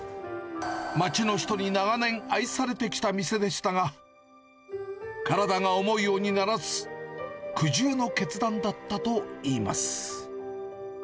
町の人に長年愛されてきた店でしたが、体が思うようにならず、苦渋の決断だったといいます。